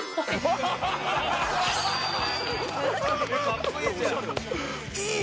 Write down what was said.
かっこいいじゃん！